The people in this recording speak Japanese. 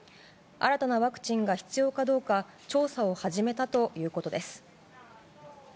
新たなワクチンが必要かどうか調査を始めたということです。